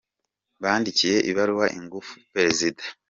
Bandikiye ibaruwa ifunguye Perezida.